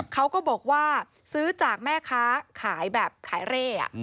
เขาก็บอกว่าซื้อจากแม่ค้าขายแบบขายเร่